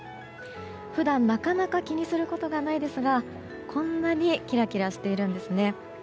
普段、なかなか気にすることないですがこんなにキラキラしているんですね。